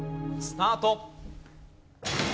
スタート。